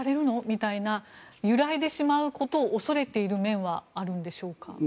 みたいな揺らいでしまうことを恐れている面はあるんでしょうか。